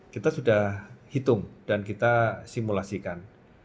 kita sudah hitung dan kita simulasikan